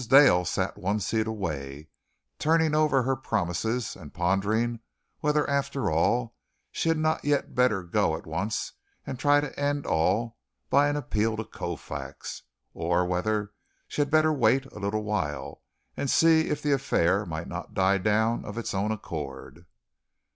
Dale sat one seat away, turning over her promises and pondering whether, after all, she had not yet better go at once and try to end all by an appeal to Colfax, or whether she had better wait a little while and see if the affair might not die down of its own accord.